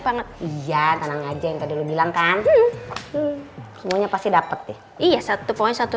banget iya tenang aja yang tadi lu bilang kan semuanya pasti dapet ya satu poin satu